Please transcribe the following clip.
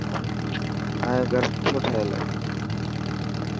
تايو گھر سٺو ٺهيل هي.